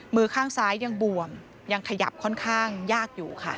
มือข้างซ้ายยังบวมยังขยับค่อนข้างยากอยู่ค่ะ